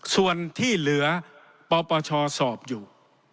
ส่วนที่เหลือปปชสอบอยู่